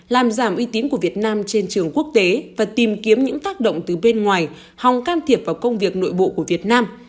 làm giảm uy tín của việt nam trên trường quốc tế và tìm kiếm những tác động từ bên ngoài hòng can thiệp vào công việc nội bộ của việt nam